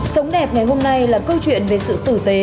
sống đẹp ngày hôm nay là câu chuyện về sự tử tế